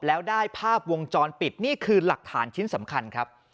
แล้วได้ภาพวงจรปิดนี่คือหลักฐานชิ้นสำคัญครับ